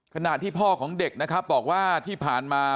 ขณะที่พ่อของเด็กนะครับบอกว่าที่ผ่านมา